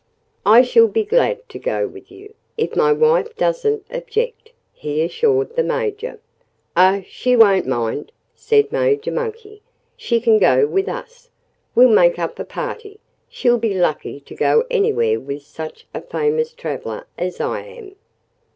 "I shall be glad to go with you if my wife doesn't object," he assured the Major. "Oh! She won't mind," said Major Monkey. "She can go with us. We'll make up a party.... She'll be lucky to go anywhere with such a famous traveller as I am."